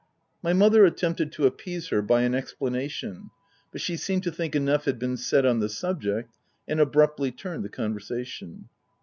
My mother attempted to appease her by an OF WILDFELL HALL. 45 explanation ; but she seemed to think enough had been said on the subject, and abruptly turned the conversation.